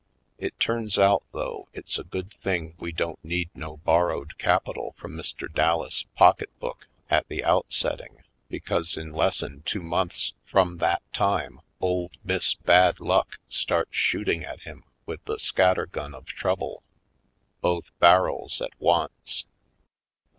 It turns out though it's a good thing we don't need no borrowed capital from Mr. Dallas' pocketbook at the outsetting because in lessen two months from that time Old Miss Bad Luck starts shooting at him with the scatter gun of trouble, both barrels at once.